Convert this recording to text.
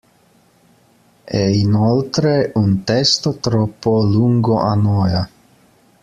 E, inoltre, un testo troppo lungo annoia.